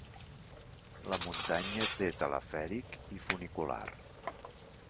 La muntanya té telefèric i funicular.